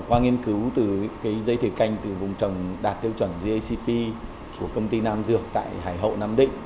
qua nghiên cứu từ dây thỉa canh từ vùng trồng đạt tiêu chuẩn gacp của công ty nam dược tại hải hậu nam định